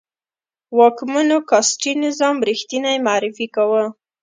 واکمنو کاسټي نظام ریښتنی معرفي کاوه.